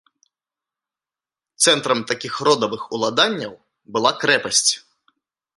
Цэнтрам такіх родавых уладанняў была крэпасць.